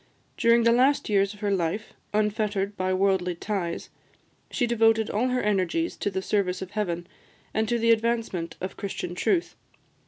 During the last years of her life, unfettered by worldly ties, she devoted all her energies to the service of Heaven, and to the advancement of Christian truth.